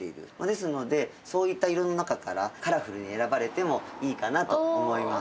ですのでそういった色の中からカラフルに選ばれてもいいかなと思います。